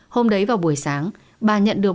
hôm đấy vào buổi sáng bà nhận được